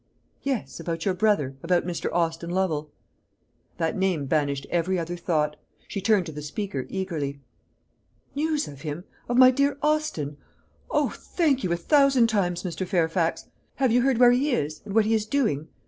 "Yes; about your brother about Mr. Austin Lovel." That name banished every other thought. She turned to the speaker eagerly. "News of him of my dear Austin? O, thank you a thousand times, Mr. Fairfax! Have you heard where he is, and what he is doing?